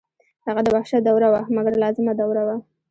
هغه د وحشت دوره وه مګر لازمه دوره وه.